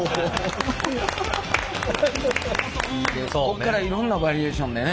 ここからいろんなバリエーションでね